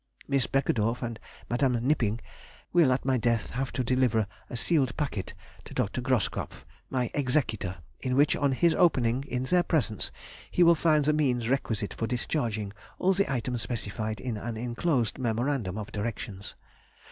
Miss Beckedorff and Mde. Knipping will at my death have to deliver a sealed packet to Dr. Groskopff, my executor, in which, on his opening in their presence, he will find the means requisite for discharging all the items specified in an enclosed memorandum of directions.